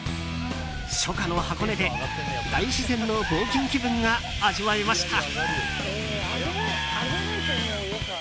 初夏の箱根で大自然の冒険気分が味わえました。